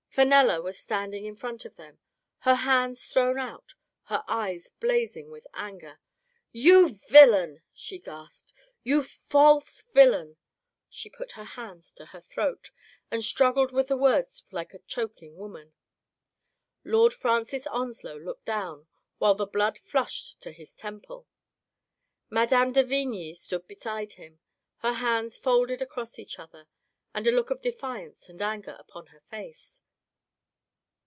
Fenella was standing in front of them, her hands thrown out, her eyes blazing with anger. "You villain!" she gasped. "You false vil lain!" She put her hands to her throat, and struggled with her words like a choking woman. Lord Francis Onslow looked down, while the blood flushed to his temple. Mme. de Vigny stood beside him, her hands folded across each other, and a look of defiance and anger upon her face.